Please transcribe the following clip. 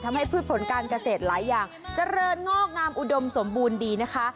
พืชผลการเกษตรหลายอย่างเจริญงอกงามอุดมสมบูรณ์ดีนะคะ